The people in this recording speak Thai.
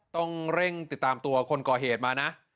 ต้องเร่งติดตามตัวคนก่อเหตุมานะ